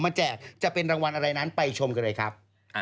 แจกจะเป็นรางวัลอะไรนั้นไปชมกันเลยครับ